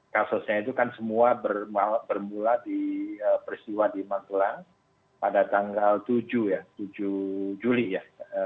kasusnya itu kan semua bermula di peristiwa di magelang pada tanggal tujuh ya tujuh juli ya